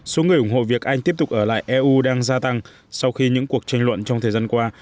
số người ủng hộ việc anh tiếp tục ở lại eu đang gia tăng sau khi những cuộc tranh luận trong thời gian qua